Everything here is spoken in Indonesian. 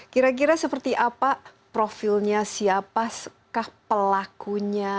kira kira seperti apa profilnya siapakah pelakunya